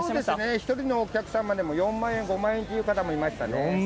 １人のお客様でも４万円、５万円という方もいましたね。